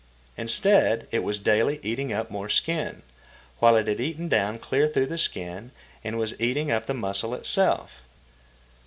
Instead, it was daily eating up more skin, while it had eaten down clear through the skin and was eating up the muscle itself.